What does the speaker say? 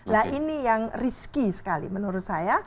nah ini yang riski sekali menurut saya